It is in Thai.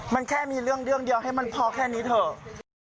มันแค่มีเรื่องเดียวให้มันพอแค่นี้เถอะ